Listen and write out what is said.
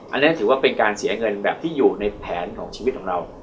อันนี้ถือว่าเป็นการเสียเงินแบบที่อยู่ในแผนของชีวิตของเรา